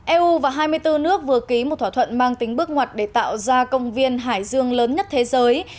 eu và hai mươi bốn nước vừa ký một thỏa thuận mang tính bước ngoặt để tạo ra công viên hải dương lớn nhất thế giới